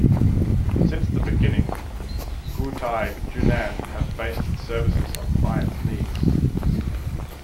Since the beginning, Guotai Junan have based its services on clients' needs.